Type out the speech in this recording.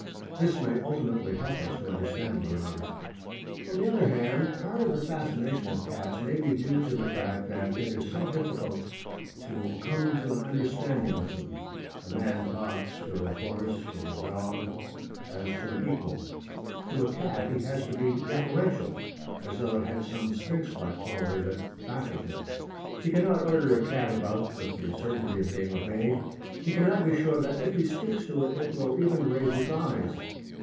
This may ultimately help us to understand one another. On the other hand, part of the fascination of cats may be due to the fact that it is so difficult to come to an understanding with them. A man talks to a horse or a dog as to an equal. To a cat he has to be deferential as though it had some Sphinx like quality that baffled him. He cannot order a cat about with the certainty of being obeyed. He cannot be sure that, if he speaks to it, it will even raise its eyes.